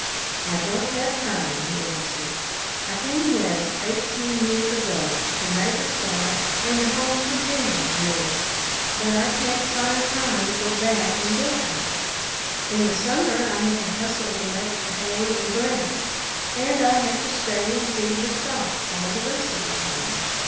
"I don't have time," he answered. "I came West eighteen years ago to make a start and a home for Jennie and me, but I can't find time to go back and get her. In the summer I have to hustle to make the hay and grain, and I have to stay and feed the stock all the rest of the time."